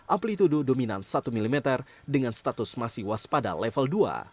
amplitude dominan satu mm dengan status masih waspada level dua